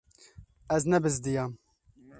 Ez nebizdiyam.